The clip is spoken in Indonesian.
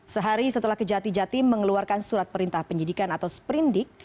sehari setelah kejati jatim mengeluarkan surat perintah penyidikan atau sprindik